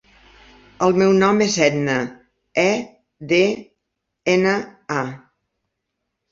El meu nom és Edna: e, de, ena, a.